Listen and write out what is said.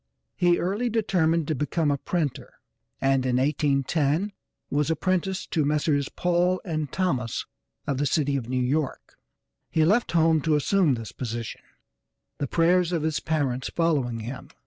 He early determined to become a printer and, in 1810, was apprenticed to Messrs. Paul & Thomas of the city of New York. He left home to assume this position, the prayers of his parents following him.